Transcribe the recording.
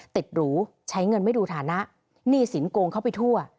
หรูใช้เงินไม่ดูฐานะหนี้สินโกงเข้าไปทั่ว